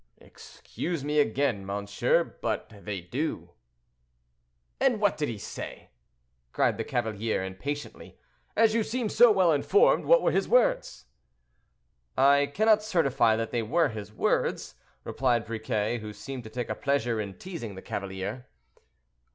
"Excuse me again, monsieur, but they do." "And what did he say?" cried the cavalier impatiently. "As you seem so well informed, what were his words?" "I cannot certify that they were his words," replied Briquet, who seemed to take a pleasure in teazing the cavalier.